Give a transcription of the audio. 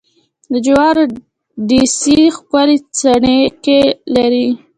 د جوارو ډېسې ښکلې څڼکې لري.